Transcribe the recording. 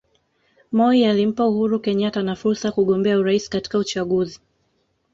Moi alimpa Uhuru Kenyatta na fursa ya kugombea urais katika uchaguzi